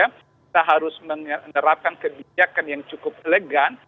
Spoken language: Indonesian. kita harus menerapkan kebijakan yang cukup elegan